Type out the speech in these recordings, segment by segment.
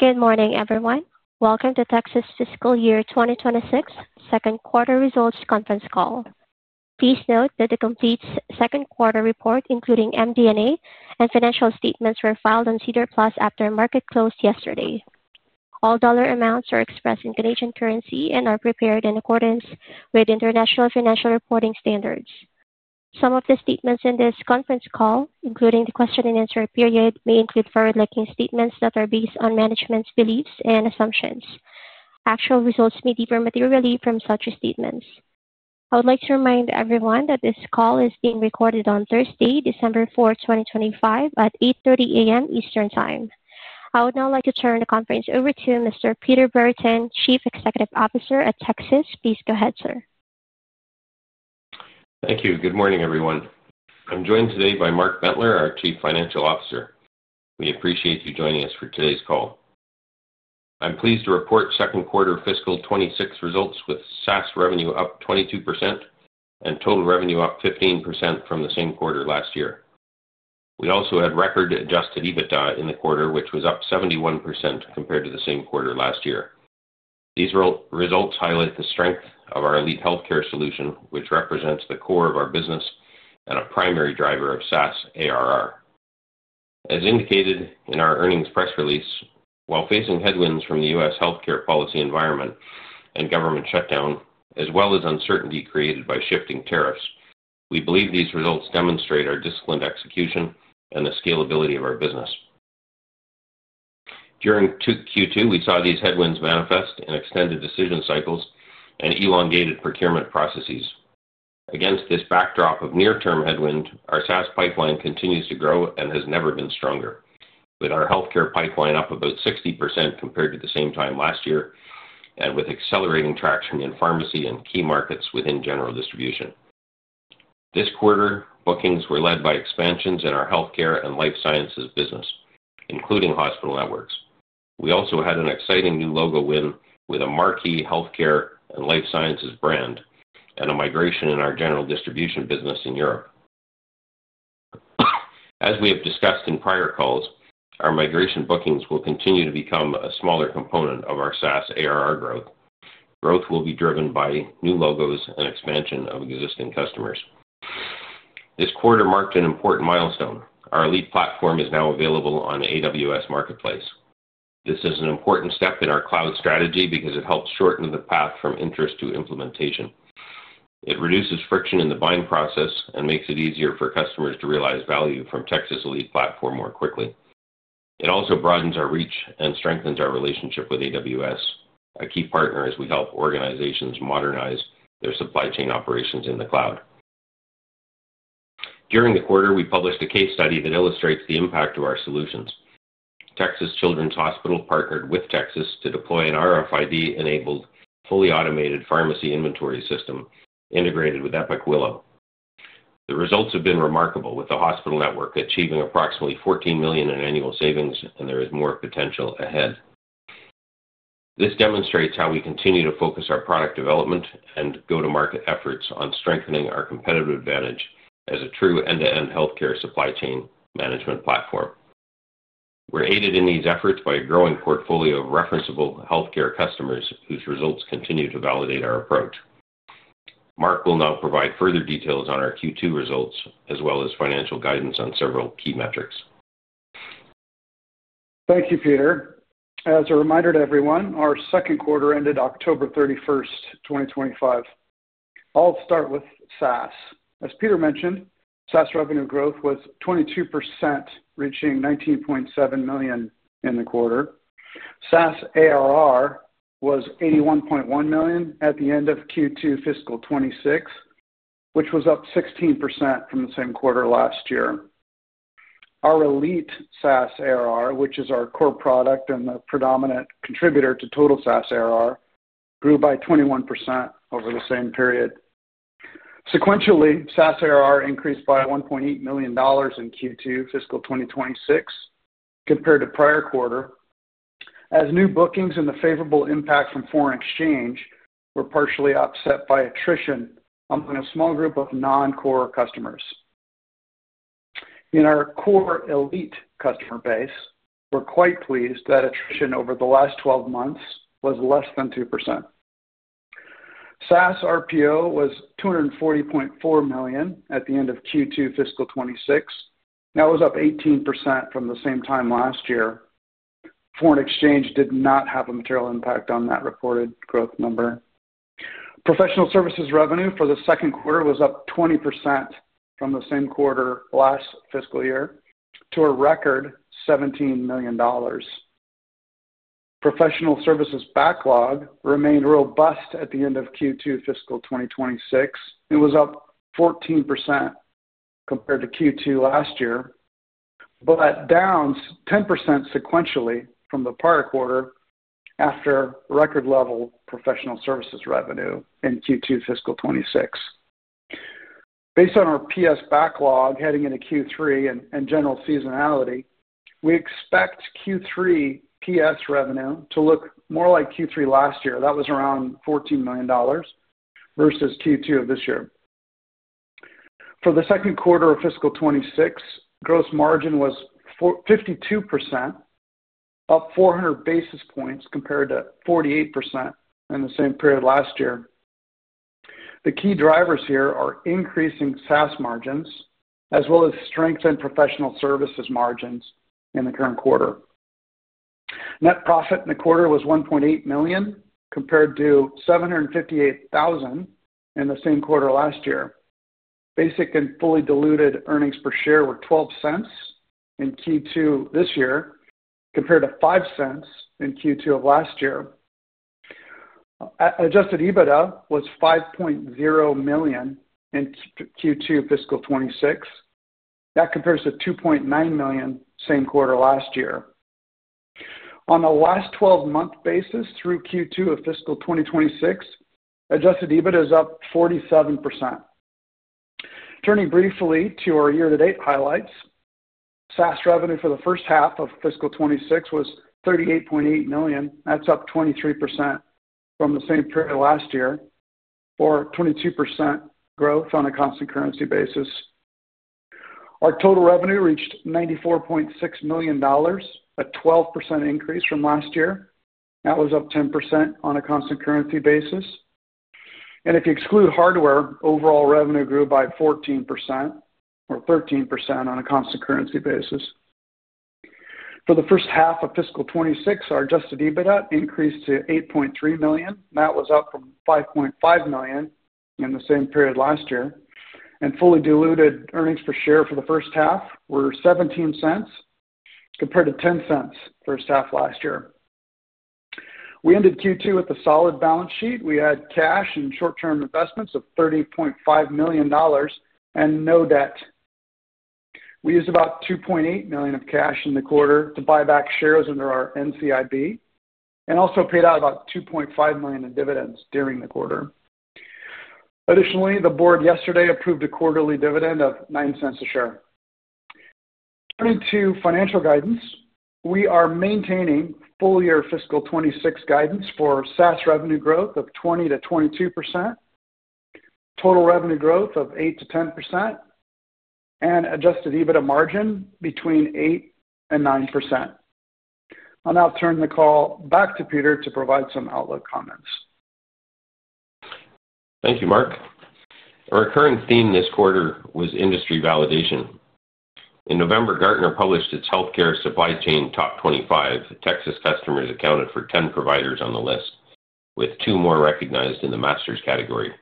Good morning, everyone. Welcome to Tecsys fiscal year 2026 second quarter results conference call. Please note that the complete second quarter report, including MD&A and financial statements, were filed on SEDAR+ after market closed yesterday. All dollar amounts are expressed in Canadian currency and are prepared in accordance with International Financial Reporting Standards. Some of the statements in this conference call, including the question-and-answer period, may include forward-looking statements that are based on management's beliefs and assumptions. Actual results may differ materially from such statements. I would like to remind everyone that this call is being recorded on Thursday, December 4, 2025, at 8:30 A.M. Eastern Time. I would now like to turn the conference over to Mr. Peter Brereton, Chief Executive Officer at Tecsys. Please go ahead, sir. Thank you. Good morning, everyone. I'm joined today by Mark Bentler, our Chief Financial Officer. We appreciate you joining us for today's call. I'm pleased to report second quarter fiscal 2026 results with SaaS revenue up 22% and total revenue up 15% from the same quarter last year. We also had record adjusted EBITDA in the quarter, which was up 71% compared to the same quarter last year. These results highlight the strength of our Elite healthcare solution, which represents the core of our business and a primary driver of SaaS ARR. As indicated in our earnings press release, while facing headwinds from the U.S. healthcare policy environment and government shutdown, as well as uncertainty created by shifting tariffs, we believe these results demonstrate our disciplined execution and the scalability of our business. During Q2, we saw these headwinds manifest in extended decision cycles and elongated procurement processes. Against this backdrop of near-term headwind, our SaaS pipeline continues to grow and has never been stronger, with our healthcare pipeline up about 60% compared to the same time last year and with accelerating traction in pharmacy and key markets within general distribution. This quarter, bookings were led by expansions in our healthcare and life sciences business, including hospital networks. We also had an exciting new logo win with a marquee healthcare and life sciences brand and a migration in our general distribution business in Europe. As we have discussed in prior calls, our migration bookings will continue to become a smaller component of our SaaS ARR growth. Growth will be driven by new logos and expansion of existing customers. This quarter marked an important milestone. Our Elite platform is now available on AWS Marketplace. This is an important step in our cloud strategy because it helps shorten the path from interest to implementation. It reduces friction in the buying process and makes it easier for customers to realize value from Tecsys Elite platform more quickly. It also broadens our reach and strengthens our relationship with AWS, a key partner as we help organizations modernize their supply chain operations in the cloud. During the quarter, we published a case study that illustrates the impact of our solutions. Texas Children's Hospital partnered with Tecsys to deploy an RFID-enabled, fully automated pharmacy inventory system integrated with Epic Willow. The results have been remarkable, with the hospital network achieving approximately 14 million in annual savings, and there is more potential ahead. This demonstrates how we continue to focus our product development and go-to-market efforts on strengthening our competitive advantage as a true end-to-end healthcare supply chain management platform. We're aided in these efforts by a growing portfolio of referenceable healthcare customers whose results continue to validate our approach. Mark will now provide further details on our Q2 results as well as financial guidance on several key metrics. Thank you, Peter. As a reminder to everyone, our second quarter ended October 31st, 2025. I'll start with SaaS. As Peter mentioned, SaaS revenue growth was 22%, reaching 19.7 million in the quarter. SaaS ARR was 81.1 million at the end of Q2 fiscal 26, which was up 16% from the same quarter last year. Our Elite SaaS ARR, which is our core product and the predominant contributor to total SaaS ARR, grew by 21% over the same period. Sequentially, SaaS ARR increased by 1.8 million dollars in Q2 fiscal 2026 compared to prior quarter, as new bookings and the favorable impact from foreign exchange were partially offset by attrition among a small group of non-core customers. In our core Elite customer base, we're quite pleased that attrition over the last 12 months was less than 2%. SaaS RPO was 240.4 million at the end of Q2 fiscal 26. That was up 18% from the same time last year. Foreign exchange did not have a material impact on that reported growth number. Professional services revenue for the second quarter was up 20% from the same quarter last fiscal year to a record 17 million dollars. Professional services backlog remained robust at the end of Q2 fiscal 2026. It was up 14% compared to Q2 last year, but down 10% sequentially from the prior quarter after record-level professional services revenue in Q2 fiscal 2026. Based on our PS backlog heading into Q3 and general seasonality, we expect Q3 PS revenue to look more like Q3 last year. That was around 14 million dollars versus Q2 of this year. For the second quarter of fiscal 2026, gross margin was 52%, up 400 basis points compared to 48% in the same period last year. The key drivers here are increasing SaaS margins as well as strengthened professional services margins in the current quarter. Net profit in the quarter was 1.8 million compared to 758,000 in the same quarter last year. Basic and fully diluted earnings per share were 0.12 in Q2 this year compared to 0.05 in Q2 of last year. Adjusted EBITDA was 5.0 million in Q2 fiscal 2026. That compares to 2.9 million same quarter last year. On a last 12-month basis through Q2 of fiscal 2026, adjusted EBITDA is up 47%. Turning briefly to our year-to-date highlights, SaaS revenue for the first half of fiscal 2026 was 38.8 million. That's up 23% from the same period last year or 22% growth on a constant currency basis. Our total revenue reached 94.6 million dollars, a 12% increase from last year. That was up 10% on a constant currency basis. And if you exclude hardware, overall revenue grew by 14% or 13% on a constant currency basis. For the first half of fiscal 2026, our adjusted EBITDA increased to 8.3 million. That was up from 5.5 million in the same period last year. And fully diluted earnings per share for the first half were 0.17 compared to 0.10 first half last year. We ended Q2 with a solid balance sheet. We had cash and short-term investments of 30.5 million dollars and no debt. We used about 2.8 million of cash in the quarter to buy back shares under our NCIB and also paid out about 2.5 million in dividends during the quarter. Additionally, the board yesterday approved a quarterly dividend of 0.09 a share. Turning to financial guidance, we are maintaining full-year fiscal 2026 guidance for SaaS revenue growth of 20%-22%, total revenue growth of 8%-10%, and adjusted EBITDA margin between 8% and 9%. I'll now turn the call back to Peter to provide some outlook comments. Thank you, Mark. Our current theme this quarter was industry validation. In November, Gartner published its healthcare supply chain top 25. Tecsys customers accounted for 10 providers on the list, with two more recognized in the Masters category.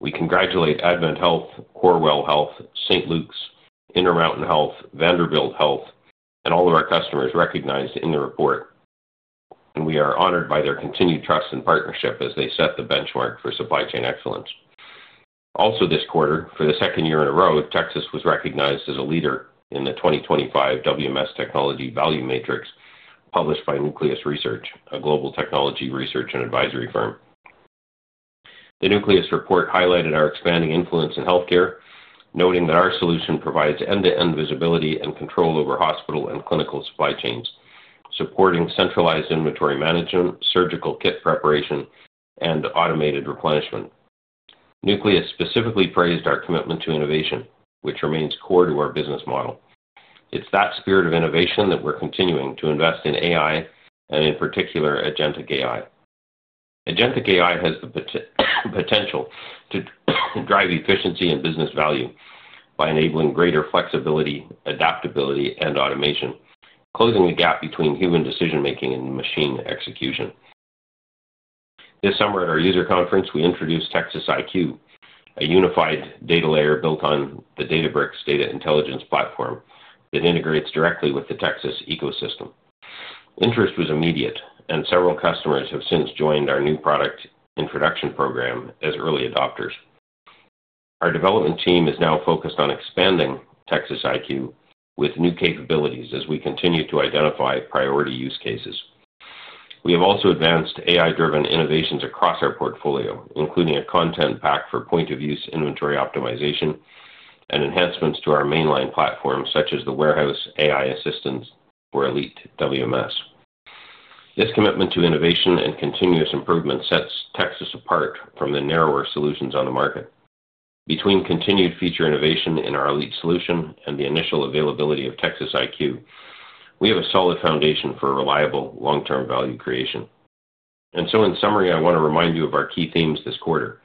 We congratulate AdventHealth, Corewell Health, St. Luke's, Intermountain Health, Vanderbilt Health, and all of our customers recognized in the report. And we are honored by their continued trust and partnership as they set the benchmark for supply chain excellence. Also, this quarter, for the second year in a row, Tecsys was recognized as a leader in the 2025 WMS Technology Value Matrix published by Nucleus Research, a global technology research and advisory firm. The Nucleus report highlighted our expanding influence in healthcare, noting that our solution provides end-to-end visibility and control over hospital and clinical supply chains, supporting centralized inventory management, surgical kit preparation, and automated replenishment. Nucleus specifically praised our commitment to innovation, which remains core to our business model. It's that spirit of innovation that we're continuing to invest in AI and, in particular, agentic AI. Agentic AI has the potential to drive efficiency and business value by enabling greater flexibility, adaptability, and automation, closing the gap between human decision-making and machine execution. This summer, at our user conference, we introduced TecsysIQ, a unified data layer built on the Databricks Data Intelligence Platform that integrates directly with the Tecsys ecosystem. Interest was immediate, and several customers have since joined our new product introduction program as early adopters. Our development team is now focused on expanding TecsysIQ with new capabilities as we continue to identify priority use cases. We have also advanced AI-driven innovations across our portfolio, including a content pack for point-of-use inventory optimization and enhancements to our mainline platform, such as the warehouse AI assistance for Elite WMS. This commitment to innovation and continuous improvement sets Tecsys apart from the narrower solutions on the market. Between continued feature innovation in our Elite solution and the initial availability of TecsysIQ, we have a solid foundation for reliable long-term value creation. And so, in summary, I want to remind you of our key themes this quarter.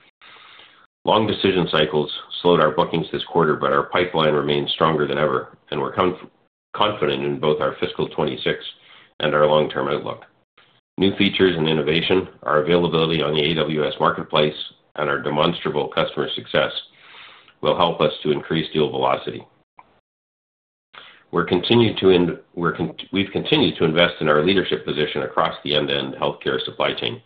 Long decision cycles slowed our bookings this quarter, but our pipeline remains stronger than ever, and we're confident in both our fiscal 2026 and our long-term outlook. New features and innovation, our availability on the AWS Marketplace, and our demonstrable customer success will help us to increase deal velocity. We've continued to invest in our leadership position across the end-to-end healthcare supply chain,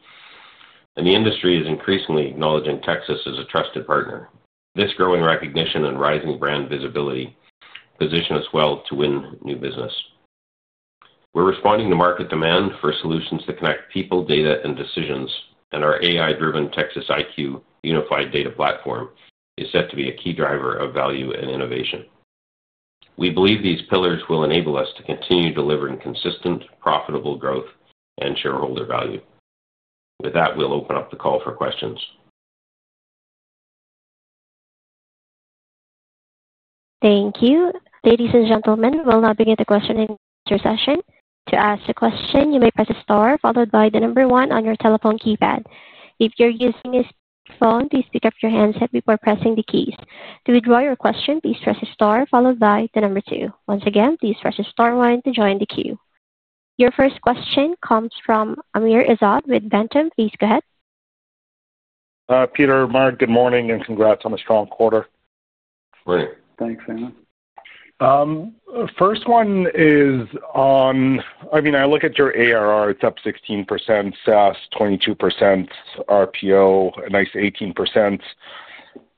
and the industry is increasingly acknowledging Tecsys as a trusted partner. This growing recognition and rising brand visibility position us well to win new business. We're responding to market demand for solutions that connect people, data, and decisions, and our AI-driven TecsysIQ unified data platform is set to be a key driver of value and innovation. We believe these pillars will enable us to continue delivering consistent, profitable growth and shareholder value. With that, we'll open up the call for questions. Thank you. Ladies and gentlemen, we'll now begin the question and answer session. To ask a question, you may press a star followed by the number one on your telephone keypad. If you're using a speakerphone, please pick up your handset before pressing the keys. To withdraw your question, please press a star followed by the number two. Once again, please press a star one to join the queue. Your first question comes from Amr Ezzat with Ventum. Please go ahead. Peter, Mark, good morning and congrats on a strong quarter. Great. Thanks, Amr. First one is on, I mean, I look at your ARR; it's up 16%, SaaS 22%, RPO a nice 18%.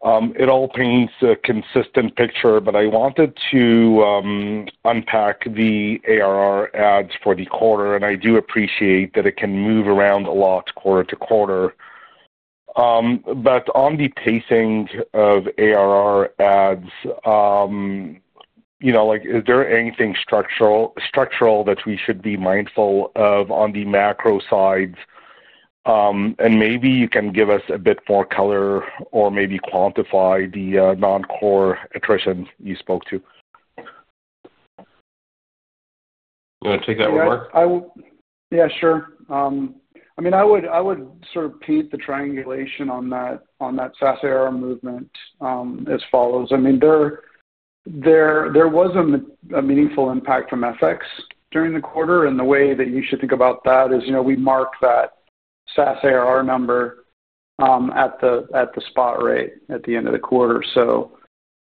It all paints a consistent picture, but I wanted to unpack the ARR adds for the quarter, and I do appreciate that it can move around a lot quarter to quarter. But on the pacing of ARR adds, is there anything structural that we should be mindful of on the macro side? And maybe you can give us a bit more color or maybe quantify the non-core attrition you spoke to. You want to take that one, Mark? Yeah, sure. I mean, I would sort of paint the triangulation on that SaaS ARR movement as follows. I mean, there was a meaningful impact from FX during the quarter, and the way that you should think about that is we mark that SaaS ARR number at the spot rate at the end of the quarter. So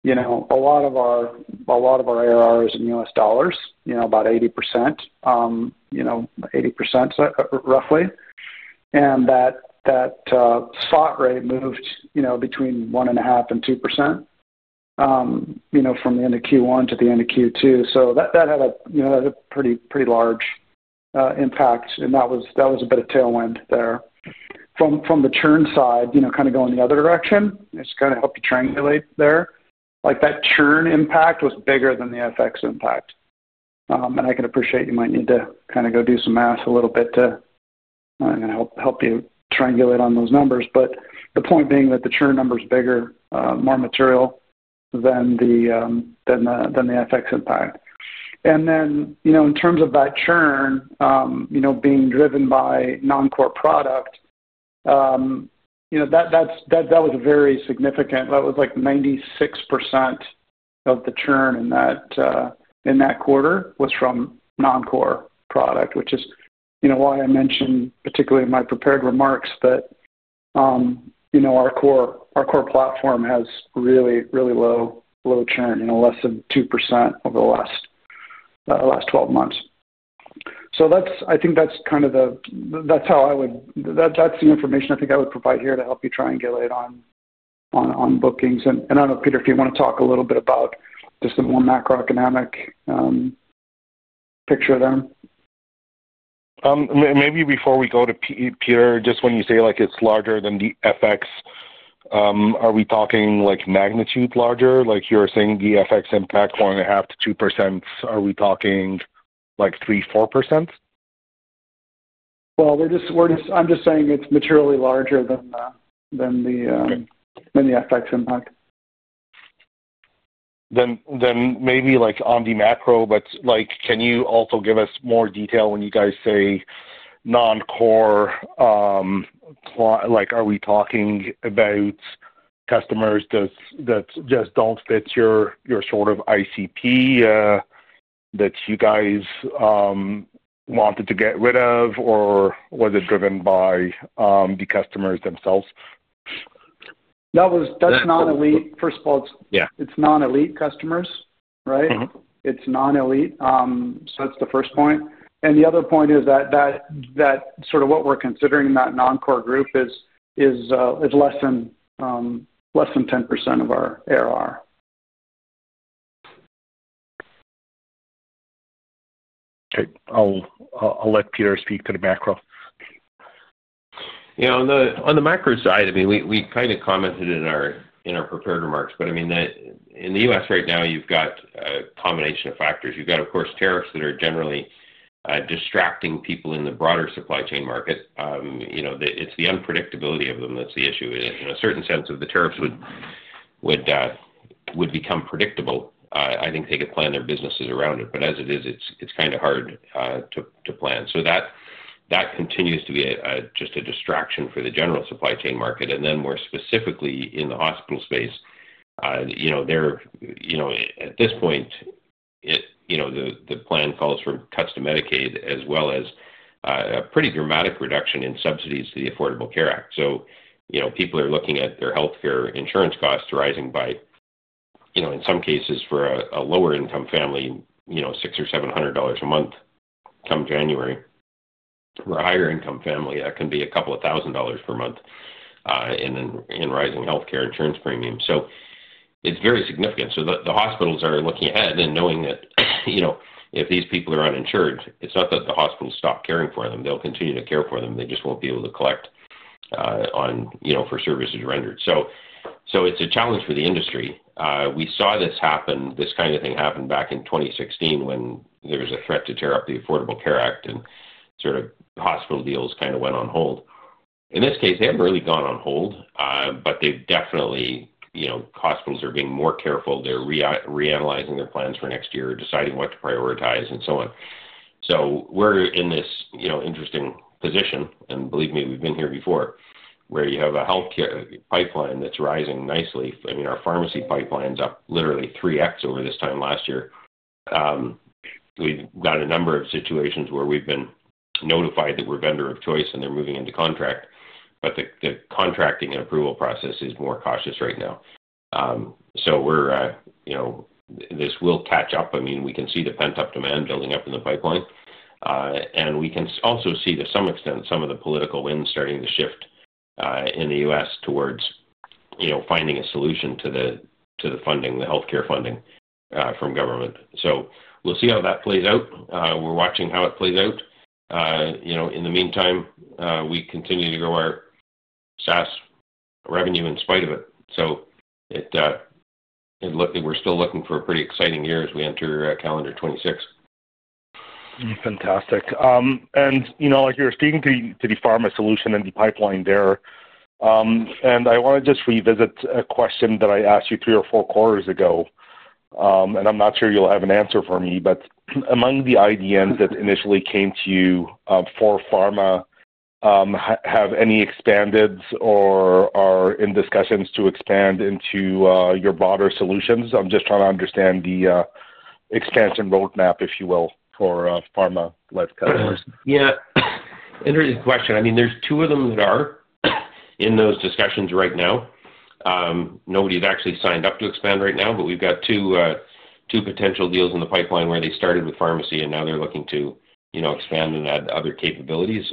a lot of our ARR is in U.S. dollars, about 80%, 80% roughly, and that spot rate moved between 1.5%-2% from the end of Q1 to the end of Q2. So that had a pretty large impact, and that was a bit of tailwind there. From the churn side, kind of going the other direction, it's kind of helped to triangulate there. That churn impact was bigger than the FX impact. I can appreciate you might need to kind of go do some math a little bit to help you triangulate on those numbers, but the point being that the churn number is bigger, more material than the FX impact. And then in terms of that churn being driven by non-core product, that was very significant. That was like 96% of the churn in that quarter was from non-core product, which is why I mentioned, particularly in my prepared remarks, that our core platform has really, really low churn, less than 2% over the last 12 months. So I think that's kind of how I would provide the information here to help you triangulate on bookings. And I don't know, Peter, if you want to talk a little bit about just the more macroeconomic picture there. Maybe before we go to Peter, just when you say it's larger than the FX, are we talking magnitude larger? You were saying the FX impact 1.5%-2%. Are we talking 3%, 4%? I'm just saying it's materially larger than the FX impact. Then, maybe on the macro, but can you also give us more detail when you guys say non-core? Are we talking about customers that just don't fit your sort of ICP that you guys wanted to get rid of, or was it driven by the customers themselves? That's non-Elite. First of all, it's non-Elite customers, right? It's non-Elite. So that's the first point. And the other point is that sort of what we're considering in that non-core group is less than 10% of our ARR. Okay. I'll let Peter speak to the macro. Yeah. On the macro side, I mean, we kind of commented in our prepared remarks, but I mean, in the U.S. right now, you've got a combination of factors. You've got, of course, tariffs that are generally distracting people in the broader supply chain market. It's the unpredictability of them that's the issue. In a certain sense, if the tariffs would become predictable, I think they could plan their businesses around it. But as it is, it's kind of hard to plan. So that continues to be just a distraction for the general supply chain market, and then more specifically in the hospital space, at this point, the plan calls for cuts to Medicaid as well as a pretty dramatic reduction in subsidies to the Affordable Care Act. So people are looking at their healthcare insurance costs rising by, in some cases, for a lower-income family, 600-700 dollars a month come January, for a higher-income family, that can be 2,000 dollars per month in rising healthcare insurance premiums. So it's very significant. So the hospitals are looking ahead and knowing that if these people are uninsured, it's not that the hospitals stop caring for them. They'll continue to care for them. They just won't be able to collect for services rendered. So it's a challenge for the industry. We saw this happen, this kind of thing happened back in 2016 when there was a threat to tear up the Affordable Care Act and sort of hospital deals kind of went on hold. In this case, they haven't really gone on hold, but definitely, hospitals are being more careful. They're reanalyzing their plans for next year, deciding what to prioritize, and so on. So we're in this interesting position, and believe me, we've been here before, where you have a healthcare pipeline that's rising nicely. I mean, our pharmacy pipeline's up literally 3x over this time last year. We've got a number of situations where we've been notified that we're vendor of choice and they're moving into contract, but the contracting and approval process is more cautious right now. So this will catch up. I mean, we can see the pent-up demand building up in the pipeline. And we can also see, to some extent, some of the political winds starting to shift in the U.S. towards finding a solution to the funding, the healthcare funding from government. So we'll see how that plays out. We're watching how it plays out. In the meantime, we continue to grow our SaaS revenue in spite of it. So we're still looking for a pretty exciting year as we enter calendar 2026. Fantastic. And like you were speaking to the pharma solution and the pipeline there, and I want to just revisit a question that I asked you three or four quarters ago, and I'm not sure you'll have an answer for me, but among the IDNs that initially came to you for pharma, have any expanded or are in discussions to expand into your broader solutions? I'm just trying to understand the expansion roadmap, if you will, for pharma-led customers. Yeah. Interesting question. I mean, there's two of them that are in those discussions right now. Nobody's actually signed up to expand right now, but we've got two potential deals in the pipeline where they started with pharmacy, and now they're looking to expand and add other capabilities.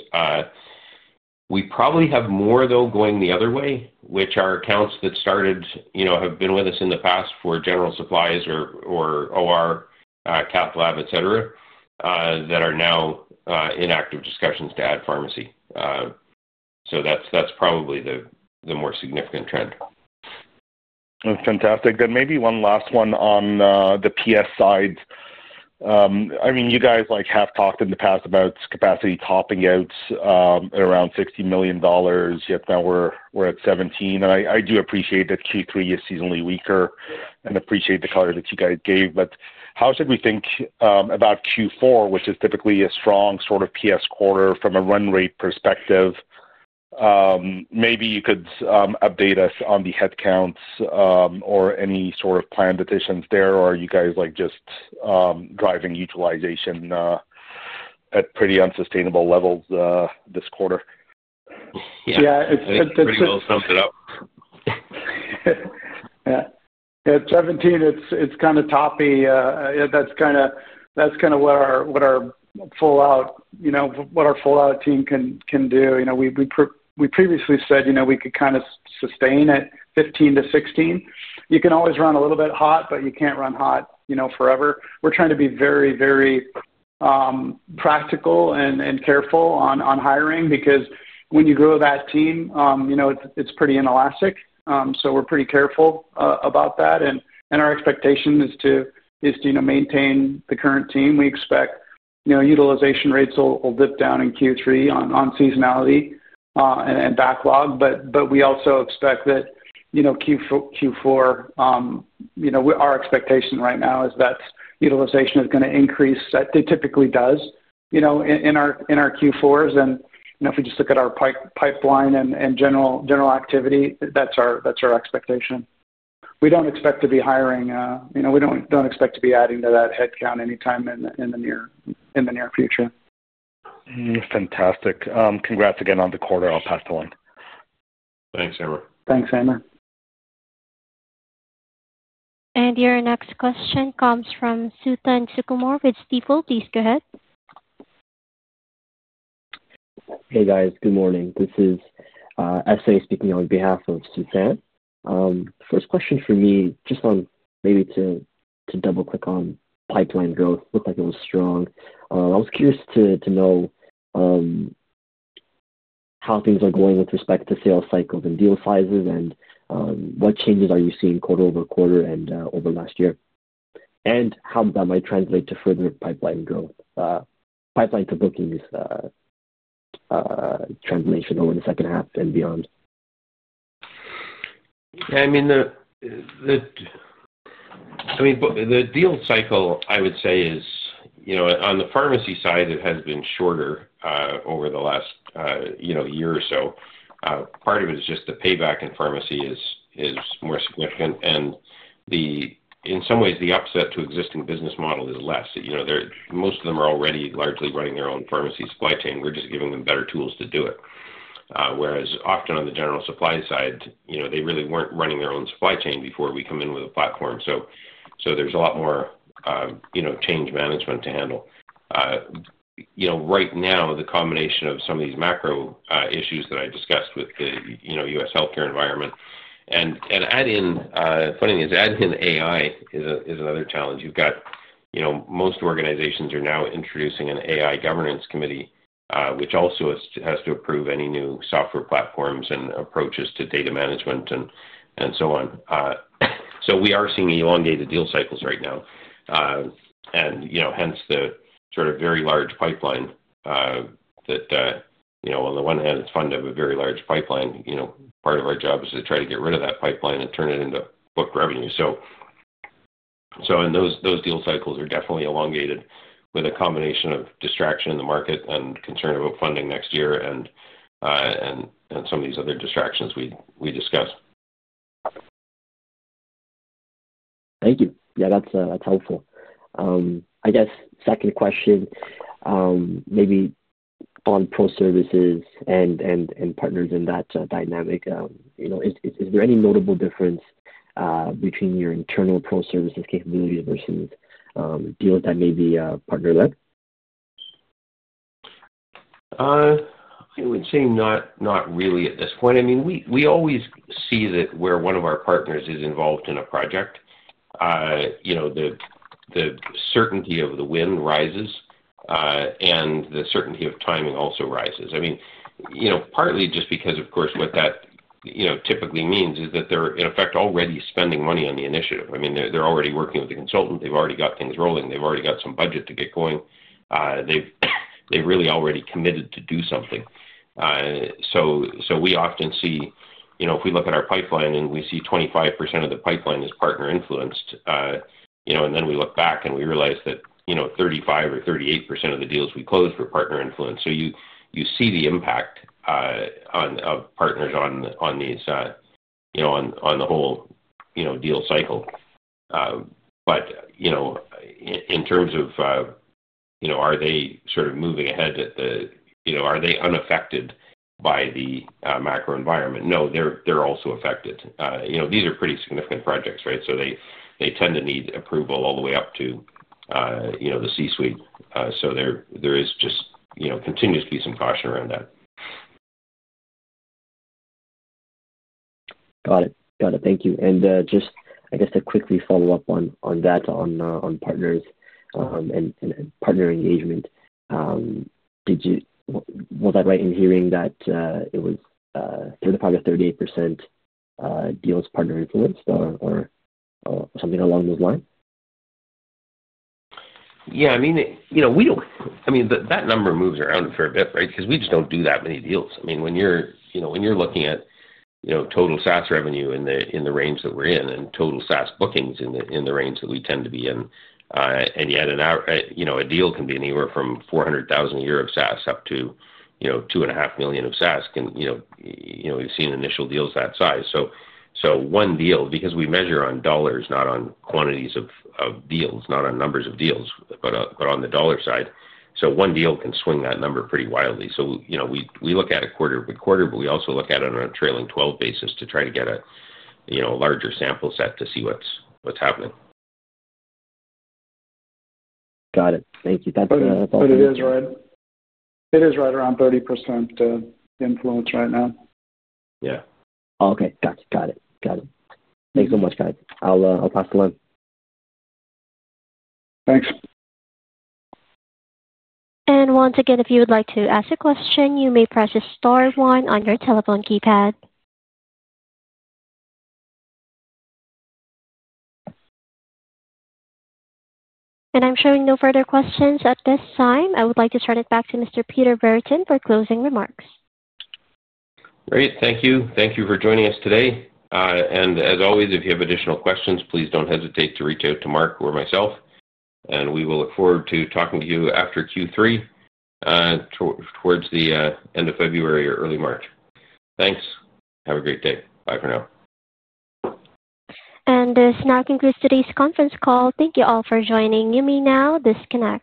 We probably have more, though, going the other way, which are accounts that started, have been with us in the past for general supplies or OR, cath lab, etc., that are now in active discussions to add pharmacy. So that's probably the more significant trend. Fantastic. Then maybe one last one on the PS side. I mean, you guys have talked in the past about capacity topping out at around 60 million dollars. Yep, now we're at 17. And I do appreciate that Q3 is seasonally weaker and appreciate the color that you guys gave. But how should we think about Q4, which is typically a strong sort of PS quarter from a run rate perspective? Maybe you could update us on the headcounts or any sort of planned additions there, or are you guys just driving utilization at pretty unsustainable levels this quarter? Yeah. Yeah. Let me go sum it up. Yeah. At 17, it's kind of toppy. That's kind of what our full-out team can do. We previously said we could kind of sustain at 15-16. You can always run a little bit hot, but you can't run hot forever. We're trying to be very, very practical and careful on hiring because when you grow that team, it's pretty inelastic. So we're pretty careful about that. And our expectation is to maintain the current team. We expect utilization rates will dip down in Q3 on seasonality and backlog. But we also expect that Q4, our expectation right now is that utilization is going to increase. That typically does in our Q4s. And if we just look at our pipeline and general activity, that's our expectation. We don't expect to be hiring. We don't expect to be adding to that headcount anytime in the near future. Fantastic. Congrats again on the quarter. I'll pass the line. Thanks, Amr. Thanks, Amr. Your next question comes from Suthan Sukumar with Stifel. Please go ahead. Hey, guys. Good morning. This is Isai speaking on behalf of Suthan. First question for me, just on maybe to double-click on pipeline growth, looked like it was strong. I was curious to know how things are going with respect to sales cycles and deal sizes and what changes are you seeing quarter over quarter and over last year, and how that might translate to further pipeline growth, pipeline to bookings translation over the second half and beyond. Yeah. I mean, the deal cycle, I would say, is on the pharmacy side, it has been shorter over the last year or so. Part of it is just the payback in pharmacy is more significant. And in some ways, the upset to existing business model is less. Most of them are already largely running their own pharmacy supply chain. We're just giving them better tools to do it. Whereas often on the general supply side, they really weren't running their own supply chain before we come in with a platform. So there's a lot more change management to handle. Right now, the combination of some of these macro issues that I discussed with the U.S. healthcare environment and add in, funny thing is, add in AI is another challenge. You've got, most organizations are now introducing an AI governance committee, which also has to approve any new software platforms and approaches to data management and so on, so we are seeing elongated deal cycles right now, and hence the sort of very large pipeline that on the one hand, it's funded a very large pipeline. Part of our job is to try to get rid of that pipeline and turn it into book revenue, so those deal cycles are definitely elongated with a combination of distraction in the market and concern about funding next year and some of these other distractions we discussed. Thank you. Yeah, that's helpful. I guess second question, maybe on pro services and partners in that dynamic, is there any notable difference between your internal pro services capabilities versus deals that may be partner-led? I would say not really at this point. I mean, we always see that where one of our partners is involved in a project, the certainty of the win rises and the certainty of timing also rises. I mean, partly just because, of course, what that typically means is that they're, in effect, already spending money on the initiative. I mean, they're already working with the consultant. They've already got things rolling. They've already got some budget to get going. They've really already committed to do something. So we often see if we look at our pipeline and we see 25% of the pipeline is partner-influenced. And then we look back and we realize that 35% or 38% of the deals we close were partner-influenced. So you see the impact of partners on the whole deal cycle. But in terms of, are they sort of moving ahead or are they unaffected by the macro environment? No, they're also affected. These are pretty significant projects, right? So they tend to need approval all the way up to the C-suite. So there just continues to be some caution around that. Got it. Got it. Thank you. And just, I guess, to quickly follow up on that, on partners and partner engagement, was I right in hearing that it was 35% or 38% deals partner-influenced or something along those lines? Yeah. I mean, we don't, I mean, that number moves around a bit, right? Because we just don't do that many deals. I mean, when you're looking at total SaaS revenue in the range that we're in and total SaaS bookings in the range that we tend to be in, and yet a deal can be anywhere from 400,000 a year of SaaS up to 2.5 million of SaaS, you've seen initial deals that size. So one deal, because we measure on dollars, not on quantities of deals, not on numbers of deals, but on the dollar side. So one deal can swing that number pretty wildly. So we look at it quarter-by-quarter, but we also look at it on a trailing 12 basis to try to get a larger sample set to see what's happening. Got it. Thank you. Thanks for that. It is right. It is right around 30% influence right now. Yeah. Okay. Got it. Got it. Thanks so much, guys. I'll pass the line. Thanks. Once again, if you would like to ask a question, you may press the star one on your telephone keypad. I'm showing no further questions at this time. I would like to turn it back to Mr. Peter Brereton for closing remarks. Great. Thank you. Thank you for joining us today, and as always, if you have additional questions, please don't hesitate to reach out to Mark or myself, and we will look forward to talking to you after Q3 towards the end of February or early March. Thanks. Have a great day. Bye for now. This now concludes today's conference call. Thank you all for joining. You may now disconnect.